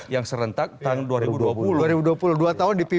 yang serentak tahun dua ribu dua puluh